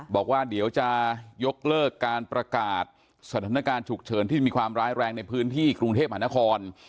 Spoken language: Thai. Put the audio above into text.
บอกว่าเดี๋ยวจะยกเลิกการประกาศสถานการณ์ฉุกเฉินที่มีความร้ายแรงในพื้นที่กรุงเทพมหานคร